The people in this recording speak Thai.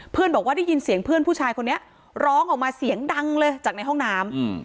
บอกว่าได้ยินเสียงเพื่อนผู้ชายคนนี้ร้องออกมาเสียงดังเลยจากในห้องน้ำ